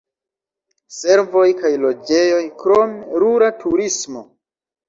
Servoj kaj loĝejoj, krom rura turismo.